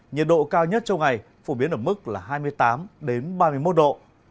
nhiệt độ cao nhất trong ngày phổ biến ở mức hai mươi tám ba mươi một độ